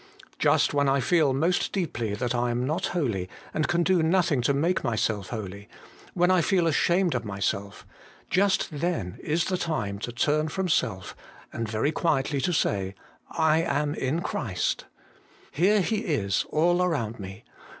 Just when I feel most deeply that I am not holy, and can do nothing to make myself holy, when I feel ashamed of myself, just then is the time to turn from self and very quietly to say : I am in Christ. Here He is all around me.